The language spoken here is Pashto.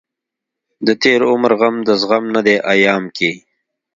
دتېر عمر غم دزغم نه دی ايام کې